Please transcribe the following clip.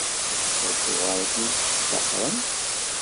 Acuɣer i kem-id-sṭaxren?